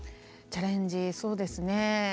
チャレンジそうですね